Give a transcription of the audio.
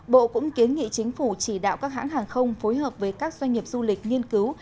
bộ cũng kiến nghị chính phủ chỉ đạo các hãng hàng không phối hợp với các doanh nghiệp du lịch nghiên cứu